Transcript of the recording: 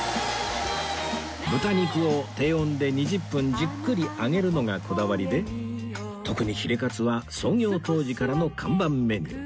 豚肉を低温で２０分じっくり揚げるのがこだわりで特にヒレかつは創業当時からの看板メニュー